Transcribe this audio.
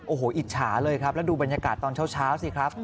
โอ้โหอิจฉาเลยครับแล้วดูบรรยากาศตอนเช้าสิครับ